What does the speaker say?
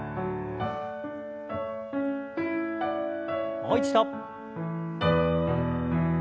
もう一度。